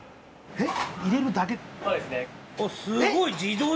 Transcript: えっ！？